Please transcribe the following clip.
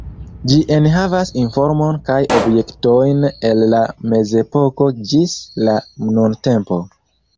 Ĝi enhavas informon kaj objektojn el la Mezepoko ĝis la nuntempo.